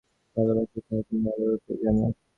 তোমাদিগের সকলকে আমি কতদূর ভালবাসি, তাহা তুমি ভালরূপই জান।